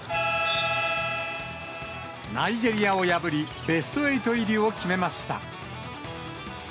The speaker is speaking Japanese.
ナイジェリアを破り、ベスト８入りを決めました。